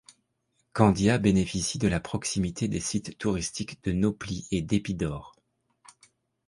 Candia bénéficie de la proximité des sites touristiques de Nauplie et d'Épidaure.